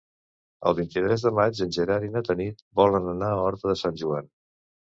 El vint-i-tres de maig en Gerard i na Tanit volen anar a Horta de Sant Joan.